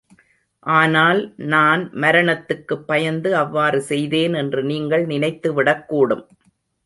ஆனால் நான் மரணத்துக்குப் பயந்து அவ்வாறு செய்தேன் என்று நீங்கள் நினைத்து விடக் கூடும்.